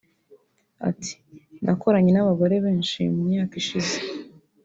Ati “Nakoranye n’abagore benshi mu myaka ishize